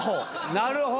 なるほど。